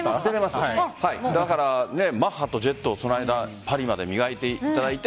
だから、マッハとジェットその間パリまで磨いていただいて